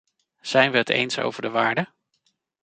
Zijn we het eens over de waarden?